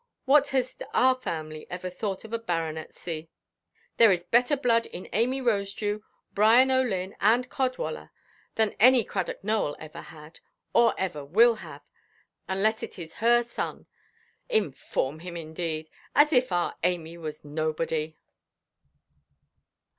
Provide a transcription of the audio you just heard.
What has our family ever thought of a baronetcy? There is better blood in Amy Rosedew, Brian OʼLynn, and Cadwallader, than any Cradock Nowell ever had, or ever will have, unless it is her son. Inform him, indeed! as if our Amy was nobody!"